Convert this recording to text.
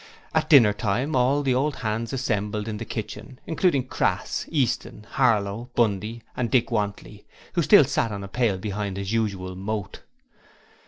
At dinner time all the old hands assembled in the kitchen, including Crass, Easton, Harlow, Bundy and Dick Wantley, who still sat on a pail behind his usual moat.